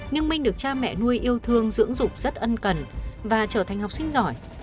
nhưng minh được cha mẹ nuôi yêu thương dưỡng rất ân cần và trở thành học sinh giỏi